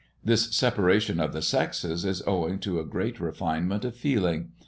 This separation of the sexes is owing to a great refinement of feeling.